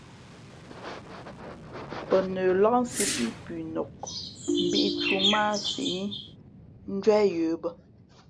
Pά nəlāk sī pí pʉnok, mbīʼtū mά a síʼ njwéh yə̌ bᾱ.